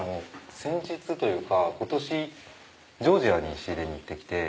先日というか今年ジョージアに仕入れに行って来て。